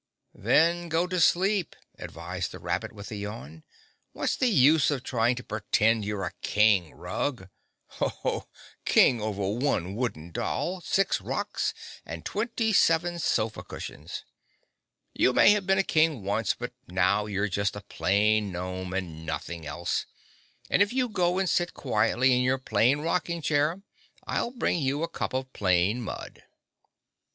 "Then go to sleep," advised the rabbit with a yawn. "What's the use of trying to pretend you're a King, Rug? Ho, ho! King over one wooden doll, six rocks and twenty seven sofa cushions! You may have been a King once, but now you're just a plain gnome and nothing else, and if you go and sit quietly in your plain rocking chair I'll bring you a cup of plain mud."